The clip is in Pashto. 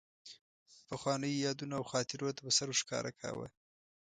پخوانیو یادونو او خاطرو ته به سر ورښکاره کاوه.